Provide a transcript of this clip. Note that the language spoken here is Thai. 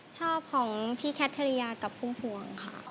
ชอบของพี่แคทริยากับพุ่มพวงค่ะ